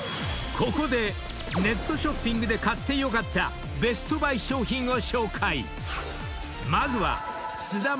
［ここでネットショッピングで買ってよかったベストバイ商品を紹介］